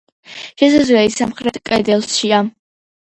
შესასვლელი სამხრეთ კედელშია.